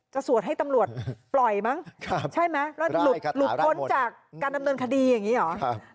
สวดให้ตำรวจปล่อยมั้งใช่ไหมแล้วหลุดพ้นจากการดำเนินคดีอย่างนี้เหรอ